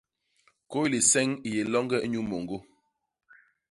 Kôy liseñg i yé loñge inyuu môñgô.